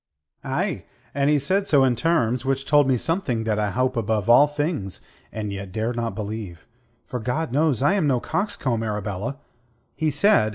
"Aye, and he said so in terms which told me something that I hope above all things, and yet dare not believe, for, God knows, I am no coxcomb, Arabella. He said...